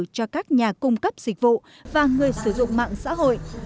cho các nhà cung cấp dịch vụ và người sử dụng mạng xã hội